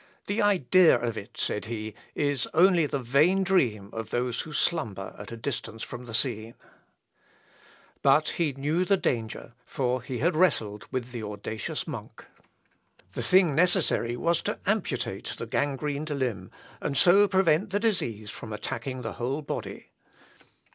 "The idea of it," said he, "is only the vain dream of those who slumber at a distance from the scene." But he knew the danger; for he had wrestled with the audacious monk. The thing necessary was to amputate the gangrened limb, and so prevent the disease from attacking the whole body.